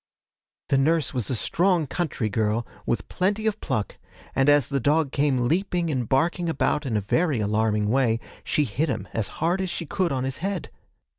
'The nurse was a strong country girl, with plenty of pluck, and as the dog came leaping and barking about in a very alarming way, she hit him as hard as she could on his head.